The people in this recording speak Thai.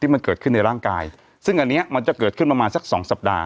มันเกิดขึ้นในร่างกายซึ่งอันนี้มันจะเกิดขึ้นประมาณสักสองสัปดาห